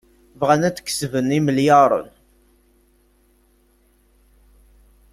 Bɣan ad kesben imelyaṛen.